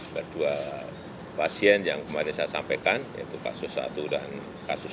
kedua pasien yang kemarin saya sampaikan yaitu kasus satu dan kasus satu